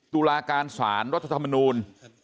ตุลาการสารรัฐธรรมนูล